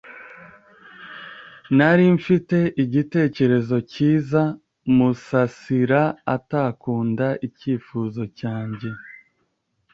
Nari mfite igitekerezo cyiza Musasira atakunda icyifuzo cyanjye.